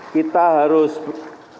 kita harus berkembang